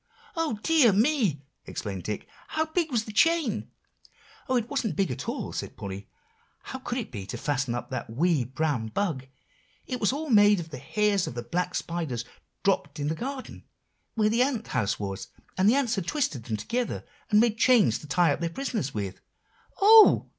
"Oh, dear me!" exclaimed Dick; "how big was the chain?" "Oh! it wasn't big at all," said Polly; "how could it be, to fasten up that wee brown bug? It was all made of the hairs of the black spiders dropped in the garden, where the ant house was; and the ants had twisted them together, and made chains to tie up their prisoners with." "Oh!"